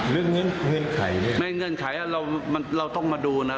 เรื่องเงื่อนไขไม่เงื่อนไขเราเราต้องมาดูน่ะ